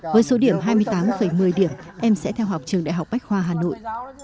với số điểm hai mươi tám một mươi điểm em sẽ theo học trường đại học bách khoa hà nội